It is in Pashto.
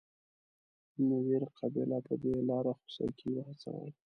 نوير قبیله په دې لار خوسکي وهڅول.